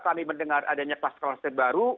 kami mendengar adanya klase klase baru